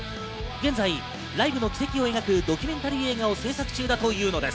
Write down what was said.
現在ライブの軌跡を描くドキュメンタリー映画を製作中だというのです。